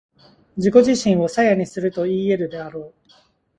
自己自身を明にするといい得るであろう。